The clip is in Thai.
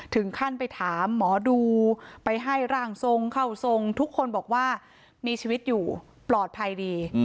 ถึงขั้นไปถามหมอดูไปให้ร่างทรงเข้าทรงทุกคนบอกว่ามีชีวิตอยู่ปลอดภัยดี